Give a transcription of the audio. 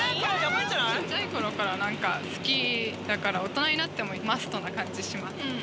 ちっちゃいころから、なんか好きだから、大人になってもマストな感じします。